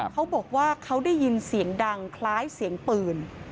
เขาบอกว่าเขาได้ยินเสียงดังคล้ายเสียงปืน